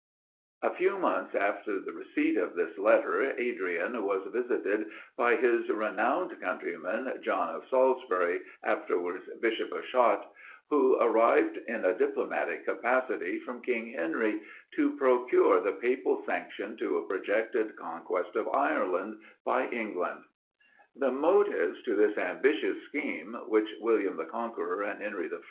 A few months after the receipt of this letter, Adrian was visited by his renowned countryman, John of Salisbury, afterwards bishop of Chartres, who arrived in a diplomatic capacity, from king Henry, to procure the papal sanction to a projected conquest of Ireland, by England. The motives to this ambitious scheme, which William the Conqueror, and Henry I.